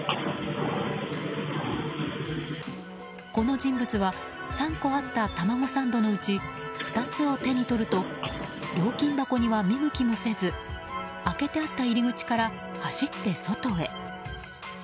この人物は３個あったタマゴサンドのうち２つを手に取ると料金箱には見向きもせず開けてあった入口から走って外へ。